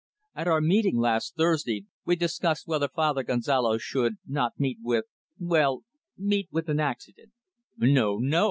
"At our meeting last Thursday, we discussed whether Father Gonzalo should not meet with well, meet with an accident." "No, no!"